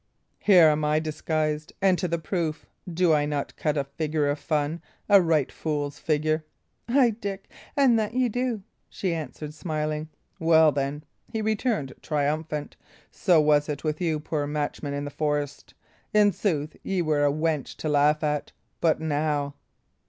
Here am I disguised; and, to the proof, do I not cut a figure of fun a right fool's figure?" "Ay, Dick, an' that ye do!" she answered, smiling. "Well, then!" he returned, triumphant. "So was it with you, poor Matcham, in the forest. In sooth, ye were a wench to laugh at. But now!"